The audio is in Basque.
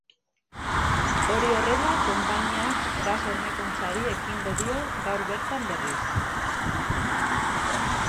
Hori horrela, konpainiak gas hornikuntzari ekingo dio gaur bertan berriz.